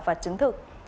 và chứng thực